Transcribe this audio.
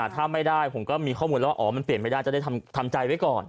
ถ้าไม่ได้ผมก็มีข้อมูลแล้วว่าอ๋อมันเปลี่ยนไม่ได้จะได้ทำใจไว้ก่อน